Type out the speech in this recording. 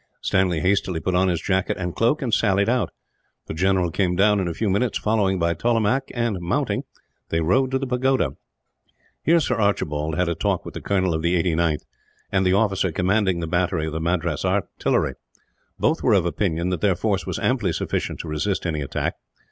Stanley hastily put on his jacket and cloak, and sallied out. The general came down in a few minutes, followed by Tollemache and, mounting, they rode to the pagoda. Here Sir Archibald had a talk with the colonel of the 89th, and the officer commanding the battery of the Madras Artillery. Both were of opinion that their force was amply sufficient to resist any attack.